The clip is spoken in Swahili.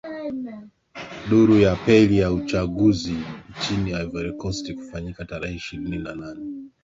duru ya peli ya uchaguzi nchini ivory coast kufanyika tarehe ishirini na nane